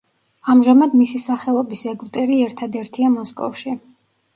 ამჟამად მისი სახელობის ეგვტერი ერთადერთია მოსკოვში.